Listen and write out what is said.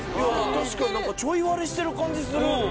確かにちょい割れしてる感じする